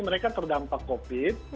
mereka terdampak covid